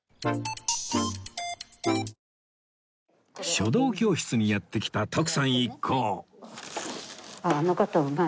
書道教室にやって来た徳さん一行